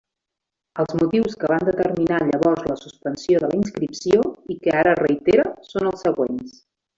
Els motius que van determinar llavors la suspensió de la inscripció i que ara reitera són els següents.